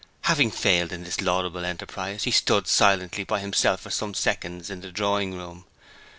Having failed in this laudable enterprise, he stood silently by himself for some seconds in the drawing room.